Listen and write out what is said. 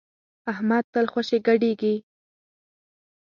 احمد تل خوشی ګډېږي.